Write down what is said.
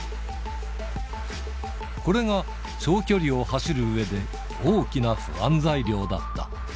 これが、長距離を走るうえで、大きな不安材料だった。